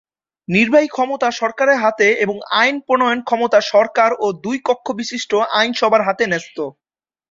নির্বাহী ক্ষমতা সরকারের হাতে এবং আইন প্রণয়ন ক্ষমতা সরকার ও দুই-কক্ষবিশিষ্ট আইনসভার হাতে ন্যস্ত।